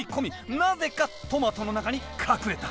なぜかトマトの中に隠れた。